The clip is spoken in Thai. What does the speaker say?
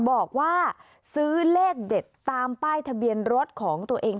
บอกว่าซื้อเลขเด็ดตามป้ายทะเบียนรถของตัวเอง